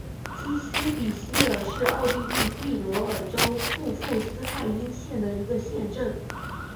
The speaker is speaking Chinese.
基希比希尔是奥地利蒂罗尔州库夫施泰因县的一个市镇。